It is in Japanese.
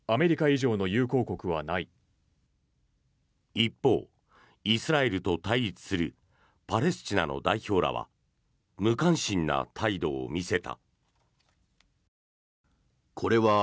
一方、イスラエルと対立するパレスチナの代表らは無関心な態度を見せた。